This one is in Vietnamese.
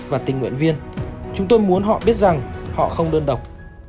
và tình nguyện viên chúng tôi muốn họ biết rằng họ không đơn độc